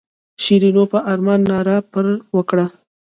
شیرینو په ارمان ناره پر وکړه.